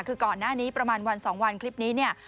คือก่อนหน้านี้ประมาณวัน๒วันคลิปนี้เนี่ย